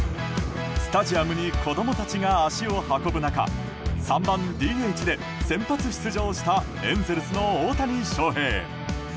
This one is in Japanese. スタジアムに子供たちが足を運ぶ中３番ＤＨで先発出場したエンゼルスの大谷翔平。